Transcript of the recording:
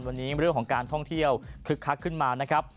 วันนี้เรื่องของการท่องเที่ยวคึกคักขึ้นมานะครับ